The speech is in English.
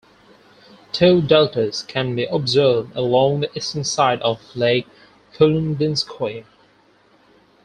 Two deltas can be observed along the eastern side of Lake Kulundinskoye.